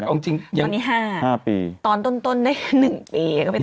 แต่อันนี้๕ปีตอนต้นได้๑ปีก็ไปต่อว่า